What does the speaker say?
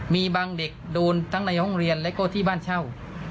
มีบางเด็กโดนทั้งในห้องเรียนและก็ที่บ้านเช่า